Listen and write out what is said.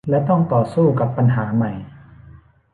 และต้องต่อสู้กับปัญหาใหม่